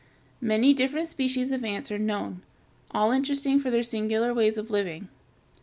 Many different species of ants are known, all interesting for their singular ways of living.